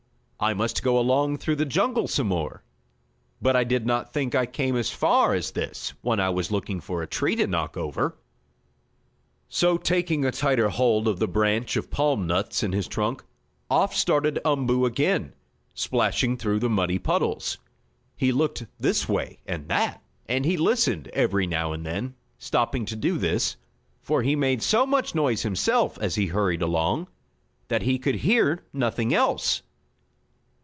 "I must go along through the jungle some more. But I did not think I came as far as this when I was looking for a tree to knock over." So, taking a tighter hold of the branch of palm nuts in his trunk, off started Umboo again, splashing through the muddy puddles. He looked this way and that, and he listened every now and then, stopping to do this, for he made so much noise himself, as he hurried along, that he could hear nothing else.